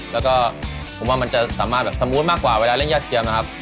แล้วก็ผมว่ามันจะสามารถแบบสมูทมากกว่าเวลาเล่นยอดเทียมนะครับ